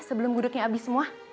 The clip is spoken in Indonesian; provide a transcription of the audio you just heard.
sebelum gudeknya abis semua